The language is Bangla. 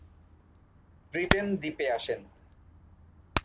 ব্রিটেন দ্বীপে আসেন।